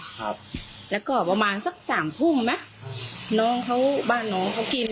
ครับแล้วก็ประมาณสักสามทุ่มนะน้องเขาบ้านน้องเขากิน